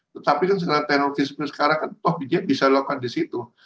tetapi kan sekarang teknologi spesial sekarang oh bisa dilakukan di situ